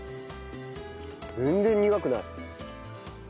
全然苦くない。